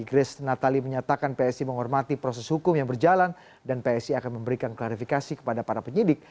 grace natali menyatakan psi menghormati proses hukum yang berjalan dan psi akan memberikan klarifikasi kepada para penyidik